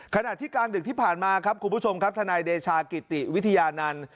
ขณะที่กลางดึกที่ผ่านมาครับคุณผู้ชมครับทนายเดชากิติวิทยานันต์